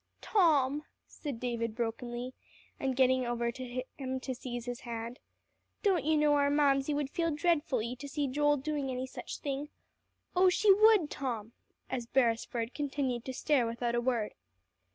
"Tom," said David brokenly, and getting over to him to seize his hand, "don't you know our Mamsie would feel dreadfully to see Joel doing any such thing? Oh, she would, Tom," as Beresford continued to stare without a word.